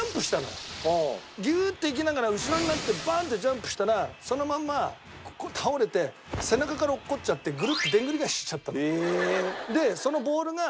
ギューって行きながら後ろになってバーンってジャンプしたらそのまんま倒れて背中から落っこちちゃってグルッてでんぐり返ししちゃったの。